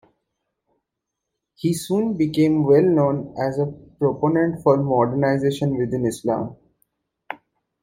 He soon became well known as a proponent for modernization within Islam.